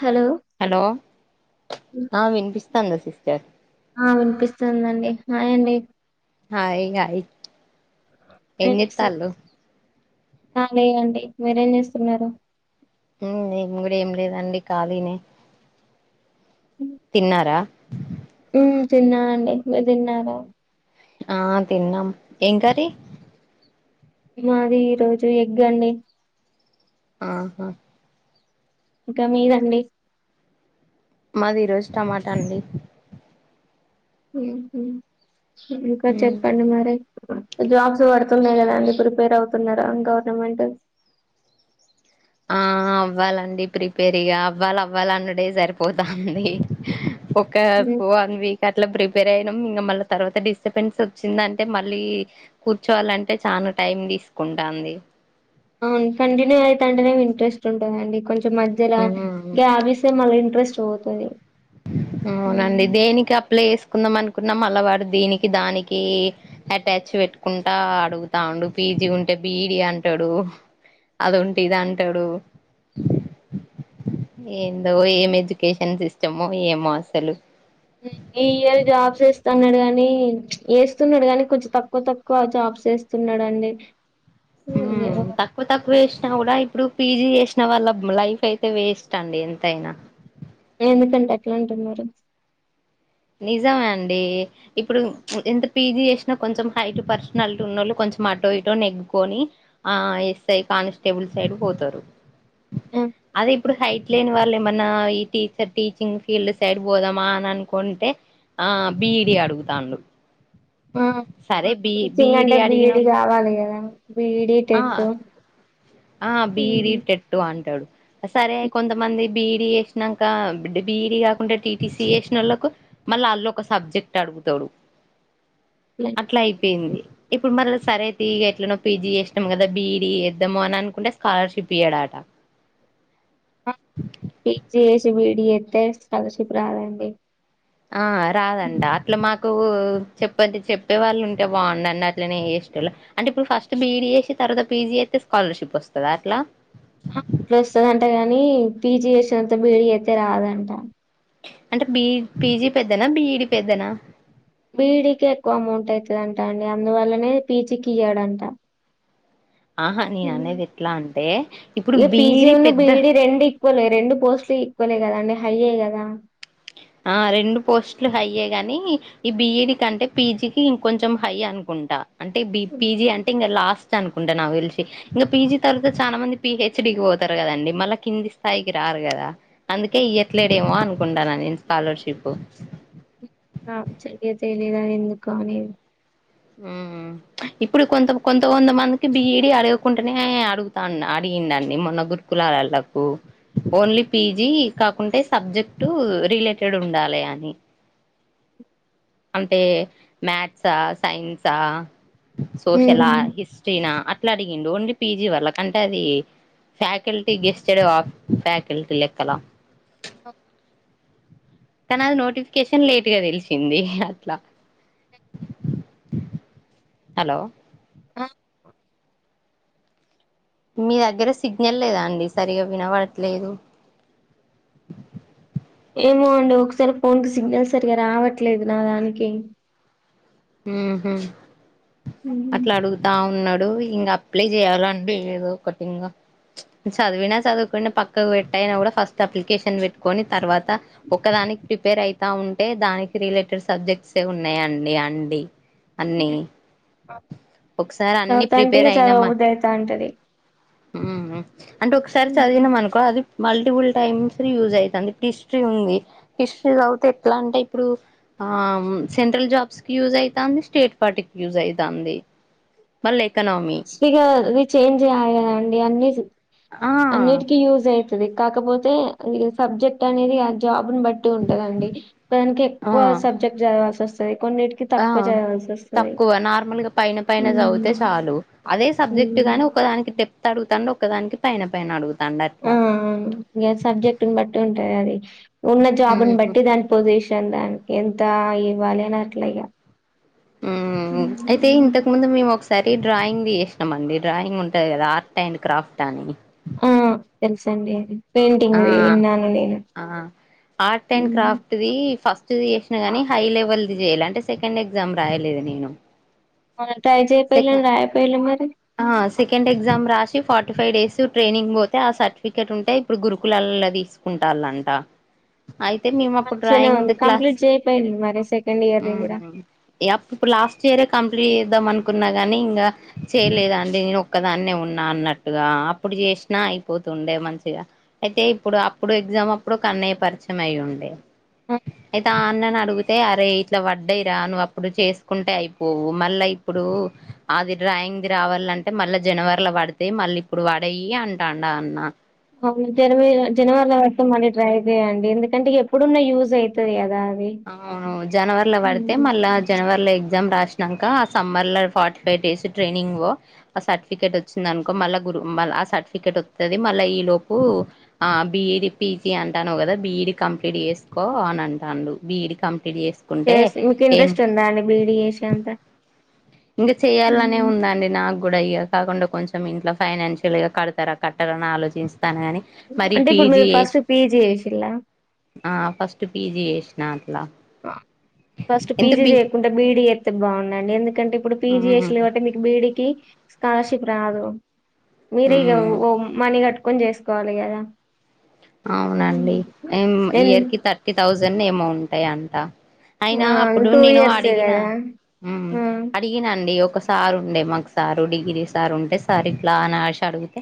Hello hello ఆ విన్పిస్తాంది sister ఆ విన్పిస్తుందండి హాయండి హాయ్ గాయి ఏం జెస్సు అ లేదండి మీరేం జేస్తున్నారు ఊ నేన్ గుడా ఏం లేదండి కాలినే తిన్నారా ఉ తిన్నా అండి మీర్ దిన్నారా ఆ తిన్నాం ఎం కర్రీ మాది ఈ రోజు ఎగ్గండి ఆహా ఇంకా మీ దండి మాది ఈ రోజ్ టమాటా అండి ఉ హూ ఇంకా చెప్పండి మరి జాబ్సు వడుతున్నాయ్ గదా అండి ప్రిపేర్ అవుతున్నారా గవర్నమెంటు ఆ అవ్వాలండి ప్రిపేరిగా అవ్వాల్ అవ్వాలన్నుడే జరిపోతాంది ఒకే ఉమ్, పో వాక్ వన్ వీకట్ల ప్రిపేర్ ఐనాం ఇంగ మళ్ళ తర్వాత డిస్టపెన్సొచ్చిందంటే మళ్ళీ కూర్చోవలంటే చానా టైం దీస్కుంటాంది అవున్ కంటిన్యూ అయితాంటెనే వింట్రెస్ట్ ఉంటదండి కొంచెం మధ్యల ఉమ్ గ్యాపిస్ తే మళ్ళ ఇంట్రెస్ట్ వోతది అవునండి దేనికి అప్లై ఏస్కుందాం అనుకున్నాం మళ్లా వాడు దీనికి దానికీ అట్యాచ్చు వెట్టుకుంటా అడుగుతా ఉండు పీజీ ఉంటే బిఈడీ అంటడు అదుంటే ఇదంటడు ఏందో ఏమి ఎజ్యుకేషన్ సిస్టమో ఏమో అస్సలు ఈ ఇయర్ జాబ్సేస్తన్నాడు గాని ఏస్తున్నాడు గానీ కొంచెం తక్కువ తక్ క్కువ జాబ్స్ ఏస్తున్నాడండి హూ ఇంగేమొ క్కువ తక్కువ ఏస్నా గుడా ఇప్పుడు పీజీ ఏస్న వాళ్ళ లైఫ్ అయితే వేస్ట్ అండి ఎంతైనా ఎందుకంటే అట్లంటున్నారు నిజమండి ఇప్పుడు ఎంత పీజీ ఏస్నా కొంచెం హైటు పర్సనాల్టీ ఉన్నొళ్ళు కొంచెం అటో ఇటో నెగ్గుకొని ఆ ఎస్ఐ కానిస్టేబుల్ సైడు బోతరు అదే ఇప్పుడు హైట్ లేని వాళ్ళెమన్నా ఈ teach sir teaching field side బోదామా అనన్ కొంటే ఆ బీఈడీ అడుగుతాండు ఆ సరే బి టీచింగ్ బిఈడి అంటే బీఈడి అడిగినోళ్ళ్ కావాలి కదా బీఈడి ఆ టెట్ ఆ బీఈడి టెట్టు అంటడు ఆ సరే కొంతమంది బీఈడీ ఏస్నంక బిఈడీ గాకుంటే టీటీసీ ఏస్నొళ్ళకు మళ్ళీ ఆళ్నొక సబ్జెక్ట్ అడుగుతాడు అట్లైపేంది ఇప్పుడు మరళ సరే ఐతే ఈగా ఎట్లనో పీజీ ఏస్నం గదా బిఈడి ఏద్దాము అనన్ నుకుంటే స్కాలర్షిప్ ఇయ్యడాట పీజ్ జేసి బీడి ఏత్తే స్కాలర్షిప్ రాదండి ఆ రాదంట అట్ల మాకు చొప్పంటి చెప్పే వాళ్ళుంటే బాండండి అట్లనే ఏస్టొళ్ళం అంటే ఇప్పుడు ఫస్ట్ బీఈడీ చేసి తర్వాత పీజీ చేస్తే స్కాలర్షిప్ వస్తదా అట్లా అప్పుడు వస్తాదంట గాని పీజీ చేసినంత బీఈడి చేస్తే రాదంట అంటే బిఈ పీజీ పెద్దనా బిఈడి పెద్దనా బీఈడి కి ఎక్కువ అమౌంటఅయితదంటనే అందువల్లనే పేజీకి ఇయ్యాడంట ఆహా నేను అనేది ఎట్లా అంటే ఇప్పుడు ఇక పీజీ బఈడి ఉన్న పెద్ద బీఈడి రెండు ఈక్వలే రెండు పోస్ట్లు ఈక్వలే కదాం హైయే కదా ఆ రెండు పోస్ట్లు హైయే గాని ఈ బిఈడి కంటే పీజీకి ఇంకొంచెం హై అనుకుంటా అంటే బి పీజీ అంటే ఇంకా లాస్ట్ లాస్ట్ అనుకుంటా నాకు తెలిసి ఇంకా పీజీ తరువాత చాలా మంది పిహెచ్డి కి పోతారు కదండి మళ్ళా కింది స్థాయికి రారు కదా అందుకే ఇయ్యట్లేడేమో అనుకుంటాను నేను స్కాలర్షిప్ ఆ చెరియ తెలియదాని ఎందుకు అని ఊ ఇప్పుడు కొంత కొంత కొంద మందికి బిఈడి అడుగకుంటేనే అడుగుతా అడిగిండ అండి మొన్న గుర్ కులాలలకు ఓన్లీ పీజీ కాకుంటే సబ్జెక్టు రిలేటెడ్ ఉండాలి అని అంటే మ్యాథ్సా సైన్సా సోషలా హిస్ నా అట్లా అడిగిండు ఓన్లీ పీజీ వల్ల కంటే అది ఫ్యాకిల్టీ గెస్టెడ ఫ్యాకిల్టీ లెక్కల కానీ అది నోటిఫికేషన్ లేట్ గా తెలిసింది అట్లా హలో ఆ మీ దగ్గర సిగ్నల్ లేదా అండి సరిగా వినపడట్లేదు ఏమో అండి ఒకసారి ఫోన్ కు సిగ్నల్ సరిగా రావట్లేదు నా దానికి ఆహా అట్లా అడుగు అడుగుతా ఉన్నాడు ఇంకా అప్లై చేయాలంటే లేదు ఒకటి ఇంకా చదివినా చదువుకపోయిన పక్కకు పెట్టయినా కూడా ఫస్ట్ అప్లికేషన్ పెట్టుకొని తర్వాత ఒకదానికి ప్రిపేర్ అయితా ఉంటే దానికి రిలేటెడ్ సబ్జెక్ట్స్ ఏ ఉన్నాయండి అండీ అన్నీ ఒకసారి అన్ని చదువుతాంటే ఇక ప్రిపేర్ అయినమనుకో చదవబుద్ధి అయితాంటది ఉహు అంటే ఒకసారి చదివినం అనుకో అది మల్టిపుల్ టైమ్స్ యూజ్ అవుతుంది ఇప్పుడు హిస్టరీ ఉంది హిస్టరీ చదువుతే ఎట్లా అంటే ఇప్పుడు ఆమ్ సెంట్రల్ జాబ్స్ యూజ్ అయితంది స్టేట్ పార్టీకి యూజ్ అయితంది మళ్ళీ ఎకనామీ కొద్దిగా ఇవి చేంజ్ అయ్యాయి అండి అన్ని ఆ అన్నిటికీ యూజ్ అయితది కాకపోతే సబ్జెక్ట్ అనేది ఆ జాబ్ను బట్టి ఉంటదండి దానికి ఆ ఎక్కువ సబ్జెక్ట్ చదవాల్సి వస్తుంది కొన్నింటికి ఆ తక్కువ చదవల్సింది తక్కువ నార్మల్ గా పైన పైన చదివితే ఉమ్ చాలు అదే సబ్జెక్ట్ గాని ఉమ్. ఒకదానికిె అడుగుతండు ఒక దానికి పైన పైన అడుత ఆ సబ్జెక్టుని బట్టి ఉంటది అది ఉన్న జాబుని ఉమ్ బట్టి దానికి పొజిషన్ దానికి ఎంత ఇవ్వాలి అని అట్లా ఇగా ఉ అయితే ఇంతకు ముందు మేము ఒకసారి డ్రాయింగ్ది చేసినాం అండి డ్రాయింగ్ ఉంట ఉంటది కదా ఆర్ట్ అండ్ క్రాఫ్ట్ అని ఆ తెలుసండి పెయింటింగ్ ఆ ది విన్నాను నేను అది ఫస్ట్ చేసినా కాని హై లెవెల్ది చేయాలి అంటే సెకండ్ ఎగ్జామ్ రాయలేదు నేను మ ట్రై చేయ సెక పోల్లు అ రాయ పొయిల్లు మరి సెకండ్ ఎగ్జామ్ రాసి, ఫార్టీ ఫైవ్ డేస్ ట్రైనింగ్ పోతే ఆ సర్టిఫికేట్ ఉంటే ఇప్పుడు గురుకులాల్ల తీసుకు కుంటాల్లంట అయితే మేము అప్పుడు మంచిగానే డ్రాయింగ్ ఉంది క్లాస్ కంప్లీట్ చేయిపోయింది మరి సెకండ్ ఇయర్ది కూడా ఉహ్ ఇ‌ అప్ ఇప్పుడు లాస్ట్ ఇయరే కంప్లీట్ చేద్దాం అనుకున్నా గానీ ఇంకా చేయలేదండి నేను ఒక్కదాన్నే ఉన్నా అన్నట్టుగా అప్పుడు చేసినా అయిపోతుండే మంచిగా అయితే ఇప్పుడు అప్పుడు ఎగ్జామ్ అప్పుడు ఒకన్నయ్య పరిచయం అయ్యి ఉండే ఆ, అయితే ఆ అన్నని అడిగితే అరే ఇట్లా వడ్డాయిరా నువ్వు అప్పుడు చేసుకుంటే అయిపోవు మళ్ళయి ఇప్పుడు అది డ్రాయింగ్దిి రావాలంటే మళ్ళా జనవరిలో పడతాయి మళ్ళీ ఇప్పుడు పడయి అ ంటాండా అన్నా అవును జనవరి జనవరిలో వస్తాం మళ్ళీ ట్రై చేయంండి ఎందుకంటే ఎప్పుడున్న యూజ్ అవుతుంది కదా అది అవును జనవర్ల పడితే ఉమ్. మళ్ళా జనవరి లో ఎగ్జామ్ రాసినాక ఆ సమ్మర్ లో ఫార్టీ ఫైవ్ డేస్ ట్రైనింగ్ ఆ సర్టిఫికేట్ వచ్చింది అనుకో మళ్ళా గ్రూ మళ్ ఆ సర్టిఫికెట్ వస్తుంది మళ్ళా ఈ లోపు ఆ బిఇడి పీజీ అంటానవ్ కదా బిఇడి కంప్లీట్ చేసుకో అని అంటా బీఇడ్ కంప్లీట్ చేస్ చే ఇంక ఇంట్రెస్ట్ ఉందా అండి బీడీ చేసే అంత ఇంక చెయాలనే ఉందండి నాకు కూడా ఇగ కాకుండా కొంచెం ఇంట్లో ఫైనాన్షియల్గా కడతారా కట్టాలని ఆలోచిస్తాను కానీ మరి అంటే ఇప్పుడు పీజీ మీరు ఫస్ట్ చేసి పీజీ చేసిల్లా ఆ ఫస్ట్ పీజీ చేసినా అట్లా ఫస్ట్ ఎంత పీజీ బి చేయకుంటే బీడీ చేస్తతే బాగుండాలి ఎందుకంటే ఇప్పుడు పీజీ ఉమ్ చేసల్ కాబట్టి మీ బీఇడీకి స్కాలర్షిప్ రాదు మీరే ఉమ్ ఇకఓ మనీ కట్టుకొని చేస్ కాలీ కదా హ్మ్. అవునండి ఏం ఎన్ ఇయర్ కి థర్టీ థౌజండ్ ఏమో ఉంటయంట అయినా ఆ అప్పుడు టూ నేను ఇయర్సే అడిగిన కదా ఉమ్ ఆ అడిగి ఈనండి ఒకసారి ఉండే మాకు సారు డిగ్రీ సార్ ఉంటే సార్ ఇట్లా నసి అడిగితే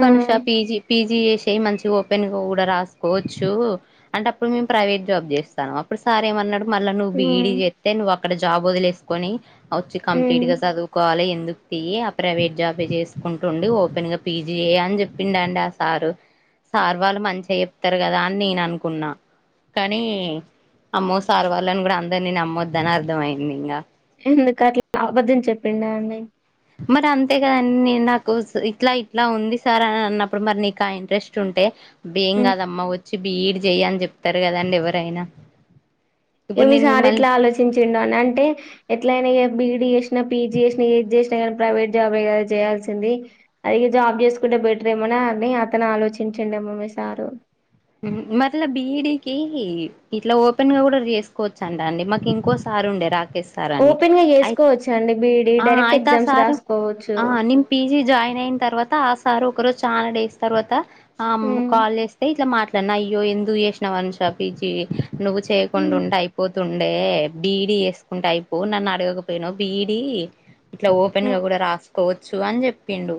ఆ పీజీ పీజీ చేసేయ్ మంచిగా పెను కూడా రాసుకోవచ్చు అంటే అప్పుడు మేము ప్రైవేట్ జాబ్ చేస్తాము అప్పుడు సార్ ఏమన్నడు మళ్ళీ నువ్ ఆ బిఈడీ చెత్తే నువ్వ అక్కడ జాబ్ వదిలేస్ కని వచ్చి ఆ కంప్లీట్ గా చదువుకోవాలి ఎందుకు తీయి ఆ ప్రైవేట్ జాబ్ చేసుకుంటుండు ఓపెన్ గా పీజీ అని చెప్పిండ అండి ఆ సారు సార్ వాళ్ళు మంచి గ చెప్తరు కదా అని నేను అనుకున్నా కానీ అమ్మో సార్ వాళ్ళని కూడా అందరు నేను అమ్మొద్ద అని అర్థమయింది ఇంకా ఎందుకు అట్లా అబద్ధం చెప్పిండా అండి మరి అంతేకాదం నాకు ఇట్లా ఇట్లా ఉంది సార్ అని అన్నప్పుడు మరి నీకు ఆ ఇంట్రెస్ట్ ఉంటే బ్బే ఏం హ్మ్. కాదమ్మ వచ్చి బిఈడ్ చెయ్య అని చెప్తారు కదండి ఎవరైనా ఇప్పుడు ఏమి నేను సార్ మిమ్మల్ని ఇట్లా ఆలోచించిండో అని అంటే ఎట్లయినా బిడీ చేసినా పీజీ చేసినా ఏజ చేసినా కానీ ప్రైవేట్ జాబ్ కదా చేయాల్సింది అదిగే జాబ్ చేసుకుంటే బెటర్ ఏమోనా అని అతను ఆలోచించండేమో మీ సారు మరలా బిఈడికి ఇట్లా ఓపెన్ గా కూడా చేసుకోవచ్చ అం అండి మాకు ఇంకో స్ సారుండే రాకేష్ సారా ఓపెన్ గా అయిత్ చేసుకోవచ్చు అండి బీఈడీ ఆ డైరెక్ట్ ఆయిత ఆ ఎగ్జామ్స్ సార్ రాసుకోవచ్చు ఆ నిం పిజి జాయిన్ అయిన తర్వాత ఆ సార్ ఒక రోజు చానా డేస్ తర్వాత ఆ ఉమ్ కాల్ చేస్తే ఇట్లా మాట్లాడిన అయ్యో ఎందుకు చేసిన వనుష పిజీ నువ్వు చేయకుండా ఉమ్ ఉంటే అయిపోద్ తుండే బీఇడి చేసుకుంటే అయిపో నన్ను అడగకపోయినవ్ బి ఇ డి ఇట్లా ఓపెన్ ఉమ్. గా కూడా రాసుకోవచ్చు అని చెప్పిండు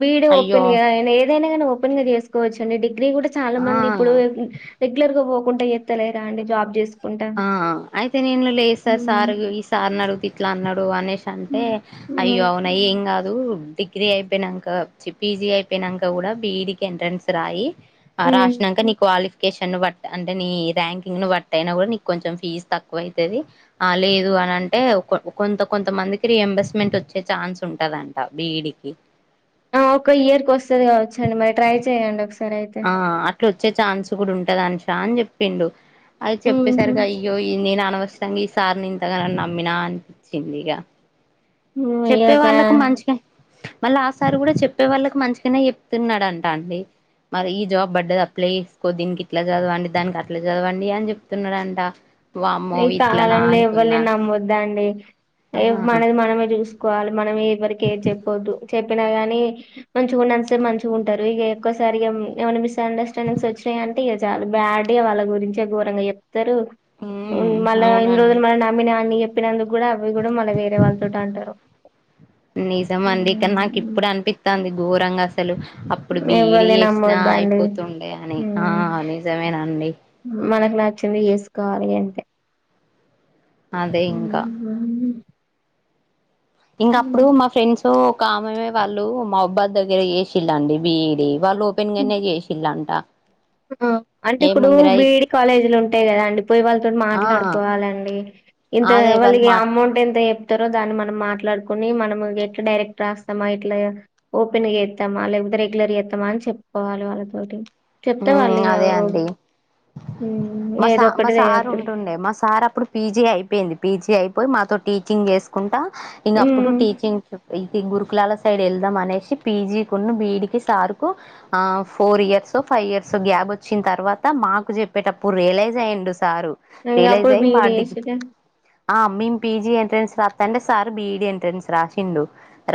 బిఇడి ఓపెన్ అయ్యో గా ఏదైనా కానీ ఓపెన్ గా చేసుకోవచ్చండి డిగ్రీ కూడా చాలా మంది ఇప్పుడు ఆ రెగ్యులర్ గా పోకుండా ఎత్తలేరా అండి జాబ్ చేసు ఆ అయితే నేను లేదు సార్ సార్ ఉమ్ ఈ సార్ అడుగుతే ఇట్లా అన్నాడు అనేసి అంటే అయ్యో ఉమ్ అవును న్నాయి ఏం కాదు డిగ్రీ అయిపోయినాక పిజీ అయిపోయినాక కూడా బిఈడికి ఎంట్రన్స్ రాయి ఉమ్ రాసినాక నీ క్వాలిఫికేషన్ బట్ అంటే నీ ర్యాంకింగ్ ను బట్ట అయినా కూడా నీ కొంచెం ఫీజ్ తక్కువ అయితది ఆ లేదు అనంటే కొంత కొంత మందికి రియంబర్స్మెంట్ వచ్చే ఛాన్స్ ఉంటదంట బీఈడికి ఒక ఇయర్కి వస్తది కావచ్చండి మరి ట్రై చెయండి ఒకసారి అయితే ఇడ వచ్చే ఛాన్స్ కూడా ఉంటది అనూష అని చెప్పిండు అది ఉహు చెప్పేసరిగ అయ్యో ఈ నేను అనవసరంగా ఖతంగా ఈ సార్ని ఇంతగా నమ్మినా అనిపించింది ఇగ చెప్పే ఇక వాళ్ళకు మంచిగా మళ్ళీ ఆ సారి కూడా చెప్పే వాళ్ళకి మంచిగానే చెప్తున్నాడంట అండి మరి ఈ జాబ్ పడ్డది అప్లై చేసుకో దీనికి ఇట్లా చదవండి దానికి అట్లా చదవండి అని చెప్తున్నడంట వామ్మో ఇట్లనా అనుకున్నా ద్దా అండి ఏ ఆహా. మనది మనమే చూ సుకోవాలి మనం ఎవరిక ఏం చెప్పొద్దు చెప్పినా గాని మంచిగాన్నంత సేపు మంచిగా ఉంటారు ఇక ఎక్కవసారిగా ఏమన్న మిస్ మిస్ అండర్స్టాండింగ్స్ వచ్చాయంటే ఇక చాలా బ్యాడ్గా వాళ్ళ గురించి ఘోరంగా చెప్తారు ఉమ్ మళ్ళీ ఇన్ని అవునండి రోజులు మన నమ్మినా అని చెప్పినందుకు కూడా అవి కూడా మళ్ళ వేరే వాళ్ళతోటి అంటారు తాంది ఘోరంగా అసలు అప్పుడు బీఈడి ఎవ్వల్ని చేసినా నమ్మొద్దండి అయిపోతుండే అని ఆ నిజమేనండి మనకి నచ్చింది చేసుకోవాలి ఇగ అంతే అదే ఇంకా ఇంకా అప్పుడు మా ఫ్రెండ్స్ ఒకఆమె వాళ్ళు మా అబ్బాయి దగ్గర చేసిళ్ళండి బిఈడి వాళ్ళు ఓపెన్ గానే చేసిల్లాంట అంటే ఇప్పుడు బిఈడి కాలేజీలు ఉంటాయి కదా అండి పోయి వాళ్ళతో ఆ మాట్లాడుకోవాలండి ఇంత అదే వాళ్ళు వాళ్ళకి మా అమౌంట్ ఎంత చెప్తారో దాన్ని మనం మాట్లాడుకుని మనం ఎట్లా డైరెక్ట్ రాస్తామా ఎట్ల ఓపెన్ గా చెత్తమా లేకపోతే రెగ్యులర్గా చెత్తమా అని చెప్పుకోవాలి వాళ్ళతోటి చెప్తే వాళ్ళు ఇగ అదే అండి మా స ఏదో మా ఒకటి రే- సారు అప్పుడు ఉంటుండే మా సారు అప్పుడు పీజీ అయిపోయింది పీజీ అయిపోయి మాతో టీచింగ్ చేసుకుంటా ఇంగ అప్పుడు టీచింగ్ ఇది గురుకులాల సైడ్ వెళ్దాం అనేసి పీజీ కొన్ని బీఈడీకి సార్కు ఆ four years so five years gap వచ్చిన తర్వాత మాకు చెప్పేటప్పుడు రియలైజ్ అయ్యిండు సారు ఇంగ రియలైజ్ అప్పుడు అయ్యి మా బీఈడి డి చేసిర్రు ఆ మేము పిజి ఎంట్రెన్స్ రాస్తాంటే సార్ బిఈడ ఎంట్రెన్స్ రాసిండు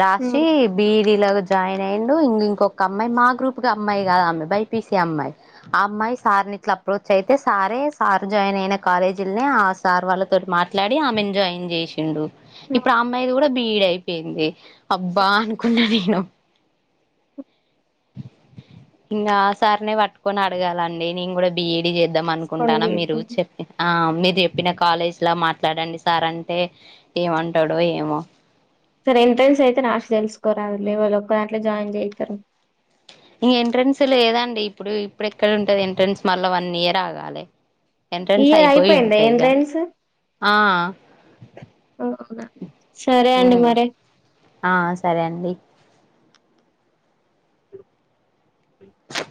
రాసి బీఈడీలో జాయిన్ అయిండు ఇం ఇంకొక అమ్మాయి మా గ్రూప్కి అమ్మాయి కాదా అమ్మాయి బైపీసి అమ్మాయి ఆ అమ్మాయి సార్ని ఇట్లా అప్రోచ్ అయితే సారే సార్ జాయిన్ అయిన కాలేజీలని ఆ స సార్ వాళ్ళతోటి మాట్లాడి ఆమెనీ జాయిన్ చేసిండు ఇప్పుడు ఆ అమ్మాయిది కూడా బిఈడి అయిపోయింది అబ్బా అనుకున్న నేను ఇంగా ఆ సార్నే పట్టుకొని అడగాలండి నేను కూడా బిఈడి చేద్దాం అనుకుంటాన్న మీరు చేసుకోండి చె ఆ మీరు చెప్పిన కాలేజ్‌లా మాట్లాడండి సార్ అంటే ఏమంటాడో ఏమో సార్ ఎంట్రెన్స్ అయితే రాసి తెలుసుకోరాదు లే వాళ్ళు ఒక్క దాంట్లో జాయిన్ చేయితారు ఎంట్రెన్స్ లేదాండి ఇప్పుడు ఇప్పుడు ఎక్కడ ఉంటది ఎంట్రెన్స్ మళ్ళ వన్ ఇయర్ ఆగాలె ఈ ఎంట్రెన్స్ ఇయర్ అయిపోయి అయిపోయిందా ఉంటాయి ఇగ ఆ ఓ అవునా సరే ఉ అండి మరి ఆ సరే అండి చె